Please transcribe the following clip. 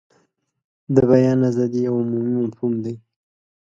د بیان ازادي یو عمومي مفهوم دی.